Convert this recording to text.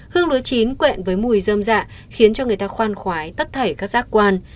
hương lúa chín quẹn với mùi dâm dạ khiến cho người ta khoan khoái tất thảy các giác quan